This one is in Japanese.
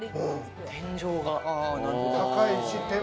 天井が。